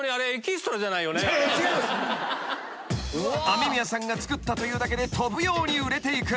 ［雨宮さんが作ったというだけで飛ぶように売れていく］